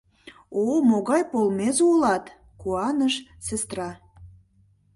— О-о, могай полмезе улат! — куаныш сестра.